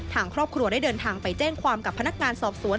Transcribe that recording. ทางครอบครัวได้เดินทางไปแจ้งความกับพนักงานสอบสวน